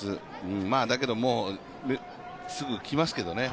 だけど、もうすぐ来ますけどね。